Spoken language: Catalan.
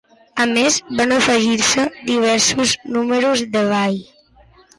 A més van afegir-se diversos números de ball.